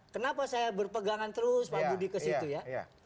kenapa saya berpegangan terus pak budi ke situ ya